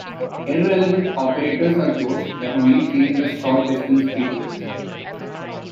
Irrelevant operators are those that only change the short-distance details.